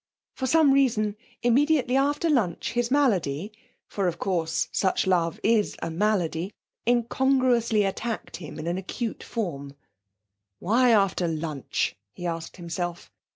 For some reason, immediately after lunch his malady for, of course, such love is a malady incongruously attacked him in an acute form. 'Why after lunch?' he asked himself.